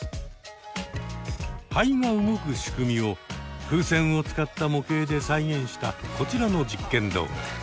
肺が動く仕組みを風船を使った模型で再現したこちらの実験動画。